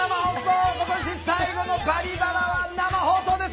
今年最後の「バリバラ」は生放送です。